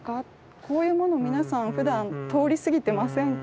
こういうものを皆さんふだん通り過ぎてませんか？」。